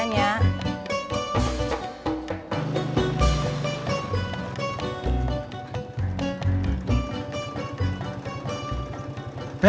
bet nya udah nyampe